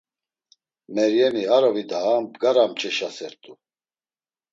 Meryemi, ar ovi daa bgara mç̌eşasert̆u.